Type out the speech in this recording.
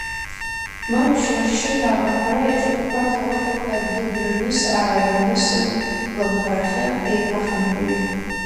Марушьа ашьшьыҳәа амҳара иаҿакқәаз ауадақәа дынрыҩныс-аарыҩнысын лымҳарахьы деиҭахынҳәит.